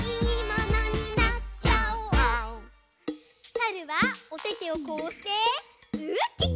さるはおててをこうしてウッキッキ！